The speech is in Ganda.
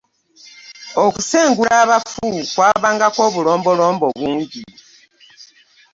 Okusengula abafu kwabangako obulombolombo bungi.